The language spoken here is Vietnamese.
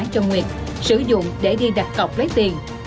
cho nguyệt sử dụng để đi đặt cọc lấy tiền